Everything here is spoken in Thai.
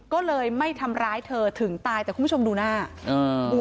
ก็เลยไม่ทำร้ายเธอถึงตายแต่คุณผู้ชมดูหน้า